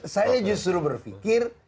saya justru berpikir